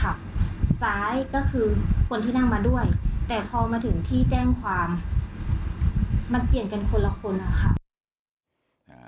พอมาถึงที่แจ้งความมันเปลี่ยนเป็นคนละคน